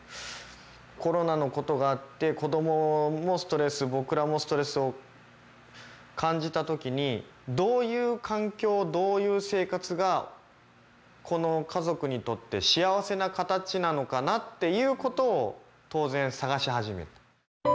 コロナのことがあって子どももストレス僕らもストレスを感じたときにどういう環境どういう生活がこの家族にとって幸せな形なのかなっていうことを当然探し始めた。